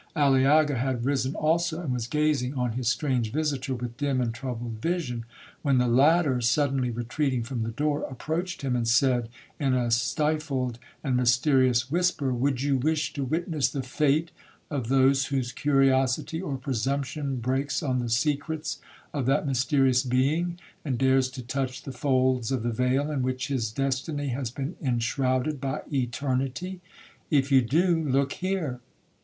Aliaga had risen also, and was gazing on his strange visitor with dim and troubled vision,—when the latter, suddenly retreating from the door, approached him and said, in a stifled and mysterious whisper, 'Would you wish to witness the fate of those whose curiosity or presumption breaks on the secrets of that mysterious being, and dares to touch the folds of the veil in which his destiny has been enshrouded by eternity? If you do, look here!'